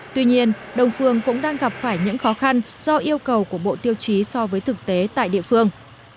tuy nhiên đông phương cũng đang gặp phải những khó khăn do yêu cầu của bộ tiêu chí so với thực tế tại địa phương